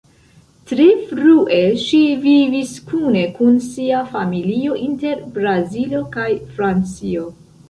Tre frue, ŝi vivis kune kun sia familio inter Brazilo kaj Francio.